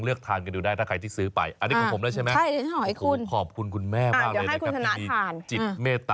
เธศตากรุณาเอาไว้ให้ผมทานนะครับ